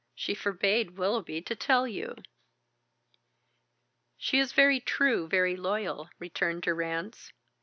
She forbade Willoughby to tell you." "She is very true, very loyal," returned Durrance.